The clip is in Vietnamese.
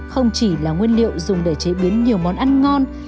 không chỉ là nguyên liệu dùng để chế biến nhiều món ăn ngon